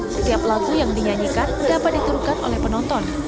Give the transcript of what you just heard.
setiap lagu yang dinyanyikan dapat diturunkan oleh penonton